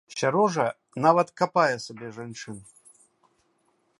Сярожа нават капае сабе жанчын.